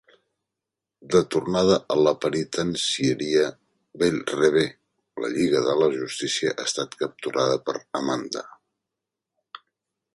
De tornada a la penitenciaria Belle Reve, la Lliga de la justícia ha estat capturada per Amanda.